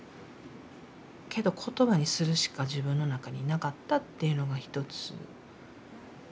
けど言葉にするしか自分の中になかったっていうのがひとつ。